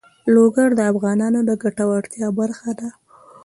لوگر د افغانانو د ګټورتیا برخه ده.